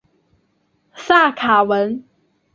萨卡文。